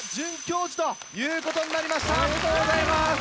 おめでとうございます！